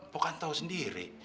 pok kan tau sendiri